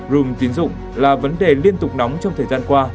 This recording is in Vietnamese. dùng tín dụng là vấn đề liên tục nóng trong thời gian qua